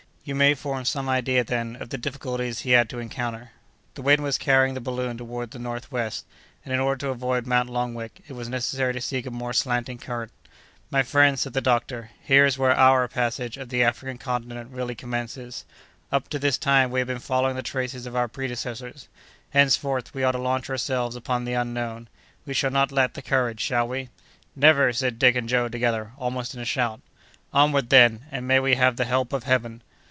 You may form some idea, then, of the difficulties he had to encounter." The wind was carrying the balloon toward the northwest, and, in order to avoid Mount Longwek, it was necessary to seek a more slanting current. "My friends," said the doctor, "here is where our passage of the African Continent really commences; up to this time we have been following the traces of our predecessors. Henceforth we are to launch ourselves upon the unknown. We shall not lack the courage, shall we?" "Never!" said Dick and Joe together, almost in a shout. "Onward, then, and may we have the help of Heaven!"